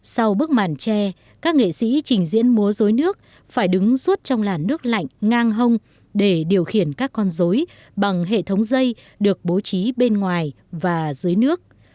sau bức màn tre các nghệ sĩ trình diễn múa dối nước phải đứng suốt trong làn nước lạnh ngang hông để điều khiển các con dối bằng hệ thống dây được bố trí bên ngoài và dưới nước